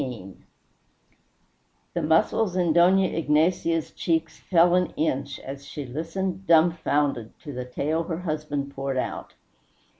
XVII The muscles in Dona Ignacia's cheeks fell an inch as she listened, dumbfounded, to the tale her husband poured out.